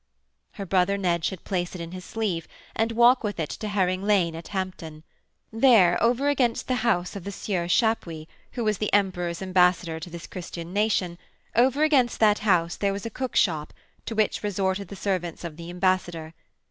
Her brother Ned should place it in his sleeve and walk with it to Herring Lane at Hampton. There, over against the house of the Sieur Chapuys, who was the Emperor's ambassador to this Christian nation over against that house there was a cookshop to which resorted the servants of the ambassador.